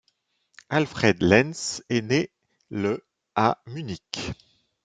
Alfred Lenz est né le à Munich.